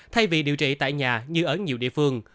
thay vì điều trị tại nhà như ở nhiều địa phương